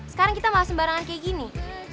sekarang kita mau sembarangan kayak gini